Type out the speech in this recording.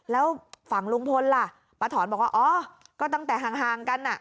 แล้วฝั่งลุงพลล่ะอ้อก็ตั้งแต่ห่างกันอ่ะ